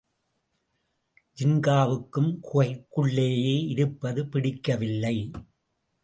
ஜின்காவுக்கும் குகைக்குள்ளேயே இருப்பது பிடிக்கவில்லை.